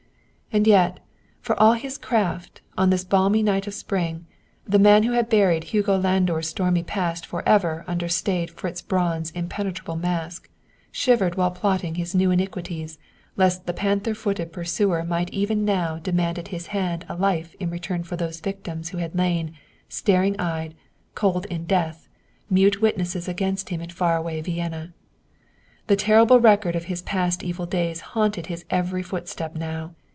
And yet, for all his craft, on this balmy night of spring, the man who had buried Hugo Landor's stormy past forever under staid Fritz Braun's impenetrable mask, shivered while plotting his new iniquities lest the panther footed pursuer might even now demand at his hand a life in return for those victims who had lain, staring eyed, cold in death, mute witness against him in far away Vienna. The terrible record of his past evil days haunted his every footstep now.